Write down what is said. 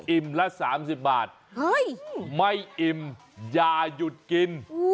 ละ๓๐บาทไม่อิ่มอย่าหยุดกิน